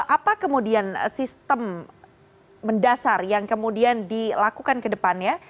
apa kemudian sistem mendasar yang kemudian dilakukan ke depannya